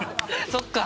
そっか！